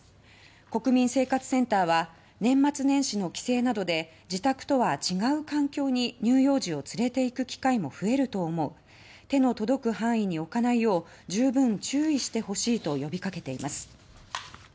国民生活センターは年末年始の帰省などで自宅とは違う環境に乳幼児を連れて行く機会も増えると思う手の届く範囲に置かないよう十分注意してほしいと呼びかけています。